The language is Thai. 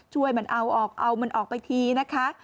ช่วยมันเอาออกเอามันออกไปทีนะคะ